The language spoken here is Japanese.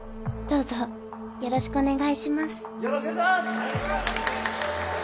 よろしくお願いします！